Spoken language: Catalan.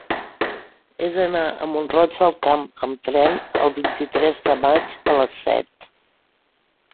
He d'anar a Mont-roig del Camp amb tren el vint-i-tres de maig a les set.